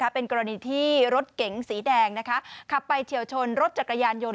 เป็นกรณีที่รถเก๋งสีแดงขับไปเฉียวชนรถจักรยานยนต